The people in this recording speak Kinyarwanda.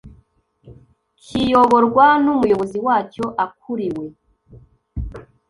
kiyoborwa n umuyobozi wacyo akuriwe